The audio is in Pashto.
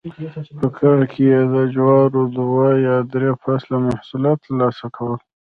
په کال کې یې د جوارو دوه یا درې فصله محصولات ترلاسه کول